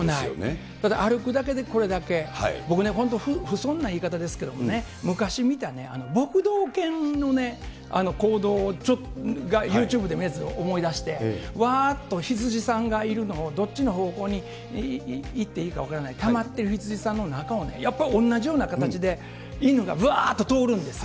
ただ、歩くだけでこれだけ、僕ね、不遜な言い方ですけどもね、昔見た、ぼくどう犬の行動をちょっと、ＹｏｕＴｕｂｅで見たのを思い出して、わーっと羊さんがいるのをどっちの方向に行っていいか分からない、たまってる羊さんの中をね、やっぱり同じような形で犬がぶわーっと通るんですよ。